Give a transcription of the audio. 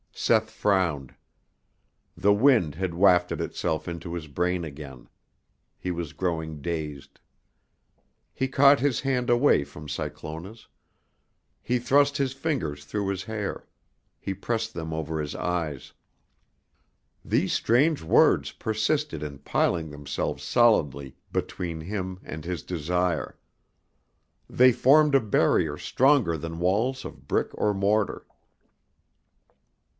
Seth frowned. The wind had wafted itself into his brain again. He was growing dazed. He caught his hand away from Cyclona's. He thrust his fingers through his hair. He pressed them over his eyes. These strange words persisted in piling themselves solidly between him and his desire. They formed a barrier stronger than walls of brick or mortar.